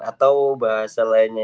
atau bahasa lainnya